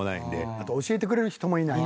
あと教えてくれる人もいない。